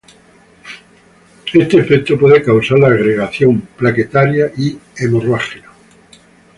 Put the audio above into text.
Este efecto puede causar la agregación plaquetaria y hemorragia.